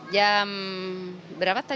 jam berapa jam empat ya